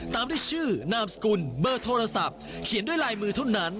ตามด้วยชื่อนามสกุลเบอร์โทรศัพท์เขียนด้วยลายมือเท่านั้น